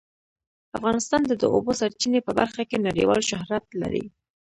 افغانستان د د اوبو سرچینې په برخه کې نړیوال شهرت لري.